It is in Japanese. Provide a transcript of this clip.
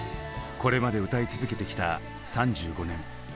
これまで歌い続けてきた３５年。